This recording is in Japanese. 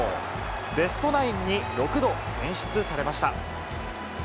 ベストナインに６度選出されました。